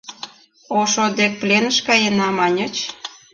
Ошо дек пленыш каена, маньыч?